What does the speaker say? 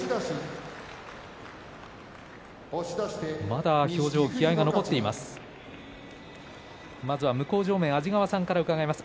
まだ、表情、気合いが残っています。